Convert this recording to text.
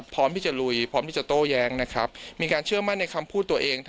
พร้อมที่จะลุยพร้อมที่จะโต้แย้งนะครับมีการเชื่อมั่นในคำพูดตัวเอง